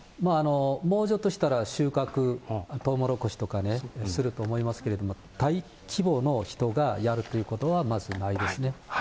もうちょっとしたら収穫、とうもろこしとかねすると思いますけれども、大規模の人がやるということはまずないですね。